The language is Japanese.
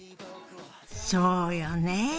そうよね。